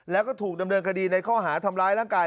แล้วก็ถูกดำเนินคดีในข้อหาทำร้ายร่างกาย